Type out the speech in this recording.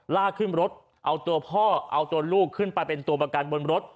ลากขึ้นรถเอาตัวพ่อเอาตัวลูกขึ้นไปเป็นตัวประกันบนรถ